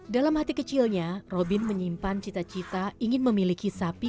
dalam hati kecilnya robin menyimpan cita cita ingin memiliki sapi